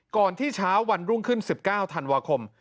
ก่อนที่เช้าวันรุ่งขึ้น๑๙ธันวาคม